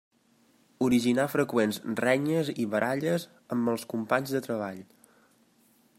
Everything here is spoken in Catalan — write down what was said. Originar freqüents renyes i baralles amb els companys de treball.